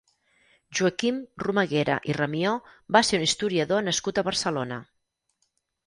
Joaquim Romaguera i Ramió va ser un historiador nascut a Barcelona.